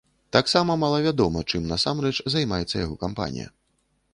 Таксама малавядома, чым насамрэч займаецца яго кампанія.